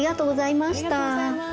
ありがとうございます。